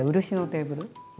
漆のテーブル！